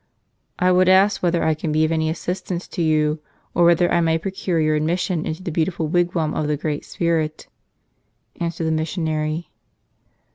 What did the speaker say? ''I would ask whether I can be of any assistance to you, or whether I may procure your admission into the beautiful wigwam of the Great Spirit," answered the missionary.